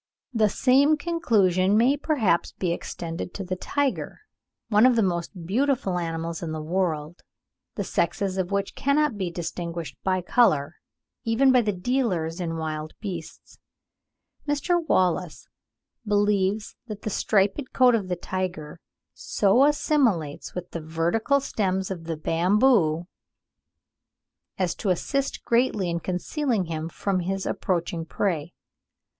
The same conclusion may perhaps be extended to the tiger, one of the most beautiful animals in the world, the sexes of which cannot be distinguished by colour, even by the dealers in wild beasts. Mr. Wallace believes (39. 'Westminster Review,' July 1, 1867, p. 5.) that the striped coat of the tiger "so assimilates with the vertical stems of the bamboo, as to assist greatly in concealing him from his approaching prey."